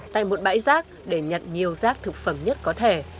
tại một bãi rác để nhận nhiều rác thực phẩm nhất có thể